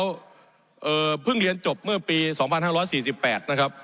แล้วเอ่อเพิ่งเรียนจบเมื่อปีสองพันห้าร้อยสี่สิบแปดนะครับ